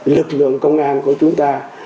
lực lượng công an của chúng ta